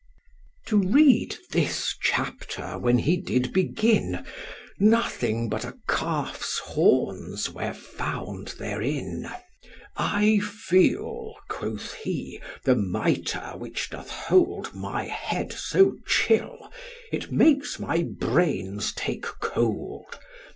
To read this chapter when he did begin, Nothing but a calf's horns were found therein; I feel, quoth he, the mitre which doth hold My head so chill, it makes my brains take cold.